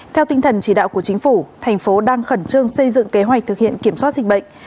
theo tinh thần chỉ đạo của chính phủ thành phố đang khẩn trương xây dựng kế hoạch thực hiện kiểm soát dịch bệnh